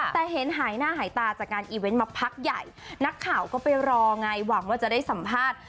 แต่เห็นหายหน้าหายตาจากงานอีเวนต์มาพักใหญ่นักข่าวก็ไปรอไงหวังว่าจะได้สัมภาษณ์